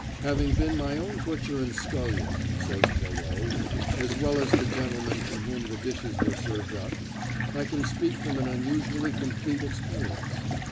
"Having been my own butcher and scullion," says Thoreau, "as well as the gentleman from whom the dishes were served up, I can speak from an unusually complete experience.